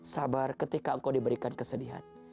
sabar ketika engkau diberikan kesedihan